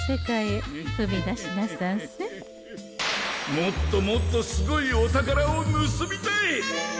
もっともっとすごいお宝を盗みたい！